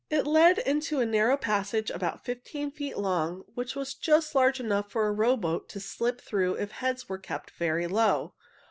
It led into a narrow passage about fifteen feet long, which was just large enough for a rowboat to slip through if heads were kept very low.